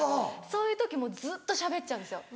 そういう時もずっとしゃべっちゃうんですよ。